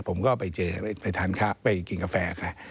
ผมก็ไปเจอไปทานข้าวไปกินกาแฟค่ะ